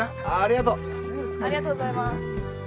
ありがとうございます。